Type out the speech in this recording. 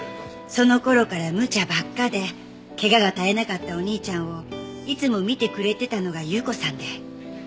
その頃からむちゃばっかで怪我が絶えなかったお兄ちゃんをいつも看てくれてたのが有雨子さんで。